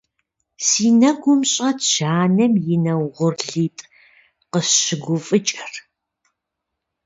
Си нэгум щӀэтщ анэм и нэ угъурлитӀ къысщыгуфӀыкӀыр.